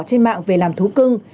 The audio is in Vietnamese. trên mạng về làm thú cưng